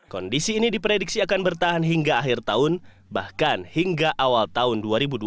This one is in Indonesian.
kondisi ini diprediksi akan bertahan hingga akhir tahun bahkan hingga awal tahun dua ribu dua puluh